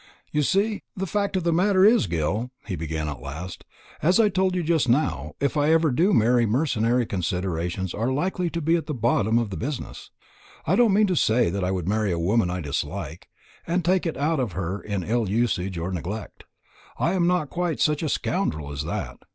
"You see, the fact of the matter is, Gil," he began at last, "as I told you just now, if ever I do marry, mercenary considerations are likely to be at the bottom of the business. I don't mean to say that I would marry a woman I disliked, and take it out of her in ill usage or neglect. I am not quite such a scoundrel as that.